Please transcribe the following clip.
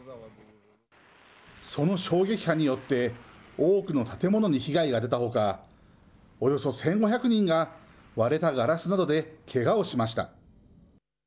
その衝撃波によって、多くの建物に被害が出たほか、およそ１５００人が割れたガラスなどでけがをしました。